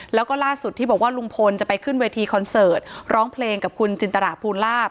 แล้วก็ล่าสุดที่บอกว่าลุงพลจะไปขึ้นเวทีคอนเสิร์ตร้องเพลงกับคุณจินตราภูลาภ